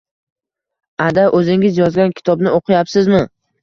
“Ada, o‘zingiz yozgan kitobni o‘qiyapsizmi?!”